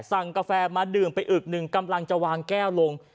กาแฟมาดื่มไปอึกหนึ่งกำลังจะวางแก้วลง